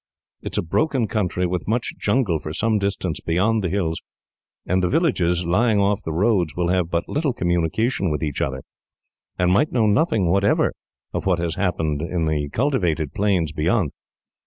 It is a broken country, with much jungle for some distance beyond the hills, and the villages lying off the roads will have but little communication with each other, and might know nothing, whatever, of what was happening in the cultivated plains beyond.